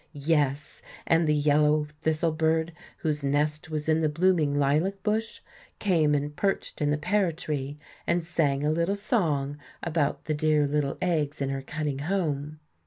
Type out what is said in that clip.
Yes, and the yellow thistle bird, whose nest was in the blooming lilac bush, came and perched in the pear tree and sang a little song about the dear little eggs in her cunning home.